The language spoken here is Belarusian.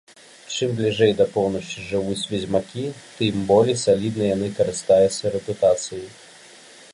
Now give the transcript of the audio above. Чым бліжэй да поўначы жывуць ведзьмакі, тым больш саліднай яны карыстаюцца рэпутацыяй.